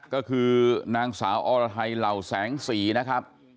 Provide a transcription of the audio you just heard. ก็คือนางสาวอรไทยเหล่าแสงสีนะครับ